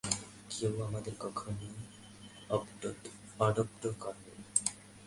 কেউ আমাদের কখনও এডপ্ট করবে না।